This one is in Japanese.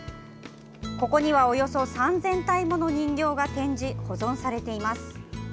ここには、およそ３０００体もの人形が展示・保存されています。